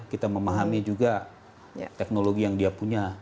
kita memahami juga teknologi yang dia punya